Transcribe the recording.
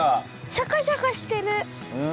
シャカシャカしてる。